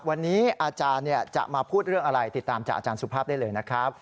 วันนี้อาจารย์จะมาพูดเรื่องอะไรติดตามจากอาจารย์สุภาพได้เลยนะครับ